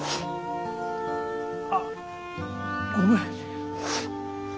あっごめん。